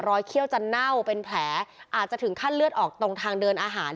เขี้ยวจะเน่าเป็นแผลอาจจะถึงขั้นเลือดออกตรงทางเดินอาหาร